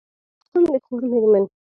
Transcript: د امان الله خان د خور مېرمن